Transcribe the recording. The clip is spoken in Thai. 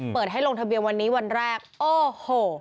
เปิดให้ลงทะเบียนวันนี้วันแรกโอ้โห